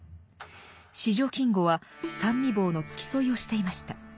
四条金吾は三位房の付き添いをしていました。